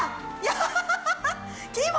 ハハハハ！